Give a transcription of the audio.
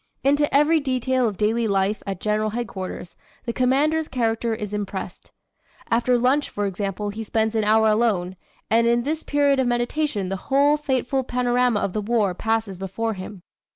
... "Into every detail of daily life at General Headquarters the Commander's character is impressed. After lunch, for example, he spends an hour alone, and in this period of meditation the whole fateful panorama of the war passes before him.